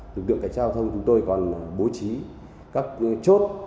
trong đường cảnh sát giao thông chúng tôi còn bố trí các chốt